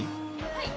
はい。